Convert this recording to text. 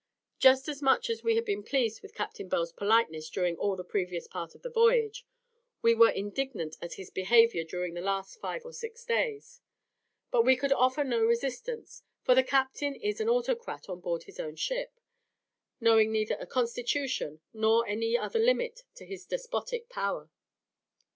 Just as much as we had been pleased with Captain Bell's politeness during all the previous part of the voyage, were we indignant at his behaviour during the last five or six days. But we could offer no resistance, for the captain is an autocrat on board his own ship, knowing neither a constitution nor any other limit to his despotic power.